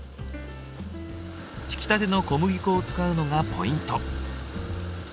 ひきたての小麦粉を使うのがポイント。